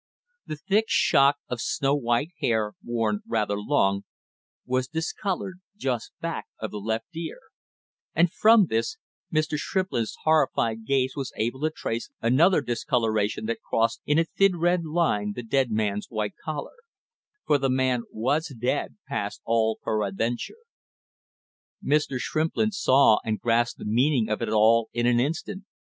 The thick shock of snow white hair, worn rather long, was discolored just back of the left ear, and from this Mr. Shrimplin's horrified gaze was able to trace another discoloration that crossed in a thin red line the dead man's white collar; for the man was dead past all peradventure. [Illustration: On the floor at his feet was a strange huddled shape.] Mr. Shrimplin saw and grasped the meaning of it all in an instant.